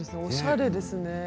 おしゃれですね。